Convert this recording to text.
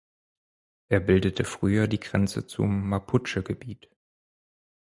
Er bildete früher die Grenze zum Mapuche-Gebiet.